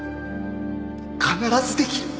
必ずできる。